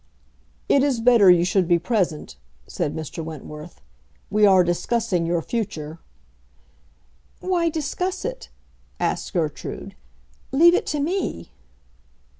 "It is better you should be present," said Mr. Wentworth. "We are discussing your future." "Why discuss it?" asked Gertrude. "Leave it to me."